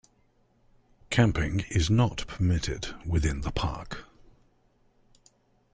Camping is not permitted within the park.